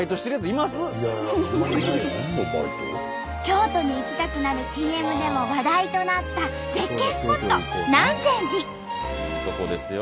京都に行きたくなるＣＭでも話題となった絶景スポット「南禅寺」。